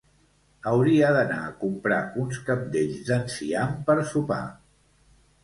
Hauria d'anar a comprar uns cabdells d'enciam per sopar